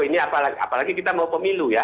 ini apalagi kita mau pemilu ya